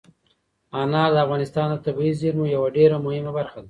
انار د افغانستان د طبیعي زیرمو یوه ډېره مهمه برخه ده.